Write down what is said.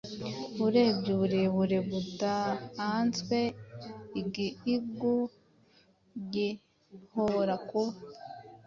Urebye uburebure budaanzwe, igiigo gihobora kuba